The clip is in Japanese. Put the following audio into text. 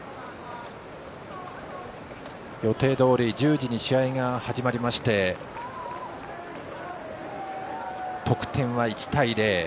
予定どおり１０時に試合が始まりまして得点は１対０。